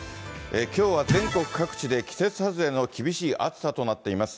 きょうは全国各地で季節外れの厳しい暑さとなっています。